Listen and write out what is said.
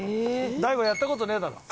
大悟やった事ねえだろう？